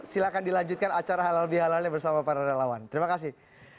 silahkan dilanjutkan acara halal bihalalnya bersama para relawan terima kasih